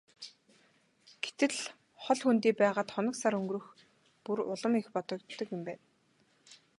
Гэтэл хол хөндий байгаад хоног сар өнгөрөх бүр улам их бодогддог юм байна.